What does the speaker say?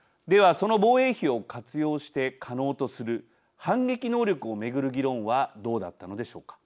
その防衛費を活用して可能とする反撃能力を巡る議論はどうだったのでしょうか。